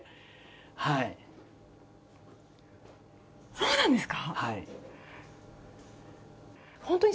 そうなんですか？